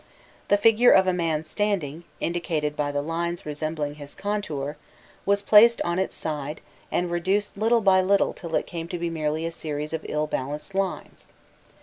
The figure of a man standing, indicated by the lines resembling his contour, was placed on its side [symbol] and reduced little by little till it came to be merely a series of ill balanced lines [symbol] [symbol].